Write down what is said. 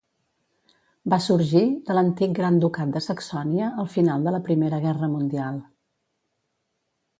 Va sorgir de l'antic Gran Ducat de Saxònia al final de la Primera Guerra Mundial.